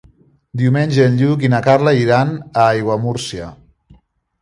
Diumenge en Lluc i na Carla iran a Aiguamúrcia.